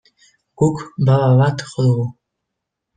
Guk baba bat jo dugu.